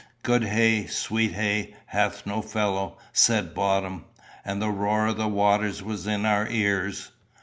"Good hay, sweet hay, hath no fellow," said Bottom; and the roar of the waters was in our ears.